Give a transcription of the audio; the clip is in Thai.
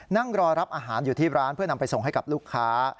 นั่งรอรับอาหารอยู่ที่ร้านเพื่อนำไปส่งให้กับลูกค้า